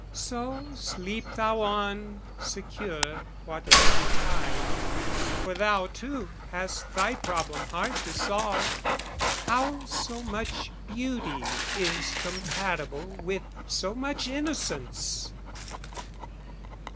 So sleep thou on, secure whate'er betide! For thou, too, hast thy problem hard to solve How so much beauty is compatible With so much innocence!